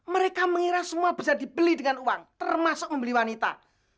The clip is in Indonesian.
mereka mengira semua bisa dibeli dengan uang termasuk membeli wanita